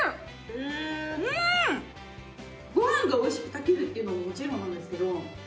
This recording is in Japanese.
ご飯が美味しく炊けるっていうのももちろんなんですけど。